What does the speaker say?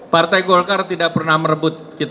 partai golkar tidak pernah merebut kita ikut mekanisme